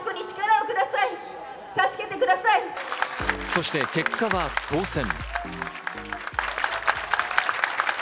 そして結果は当選。